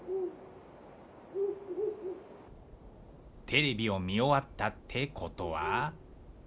テレビを見終わったってことは。